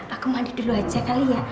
aku mandi dulu aja kali ya